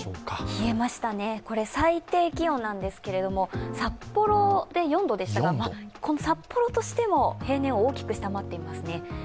冷えましたね、これ、最低気温なんですけれども、札幌で４度でしたが、札幌としても平年を大きく下回っていますね。